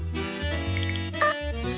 あっ。